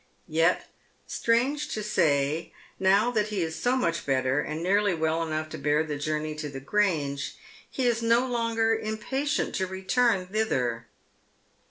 Yet, strange to say, now that he is so much better, and nearly Village Slander. 24T Well enough to bear the journey to the Grange, he 13 no longer impatient to return thither.